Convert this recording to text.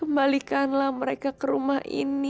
kembalikanlah mereka ke rumah ini